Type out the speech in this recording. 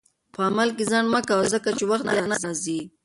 په عمل کې ځنډ مه کوه، ځکه چې وخت بیا نه راځي.